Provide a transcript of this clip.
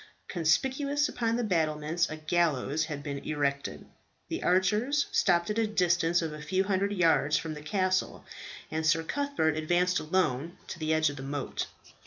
Conspicuous upon the battlements a gallows had been erected. The archers stopped at a distance of a few hundred yards from the castle, and Sir Cuthbert advanced alone to the edge of the moat.